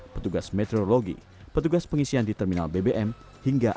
petugas meteorologi petugas pengisian di terminal bbm dan penyelenggaraan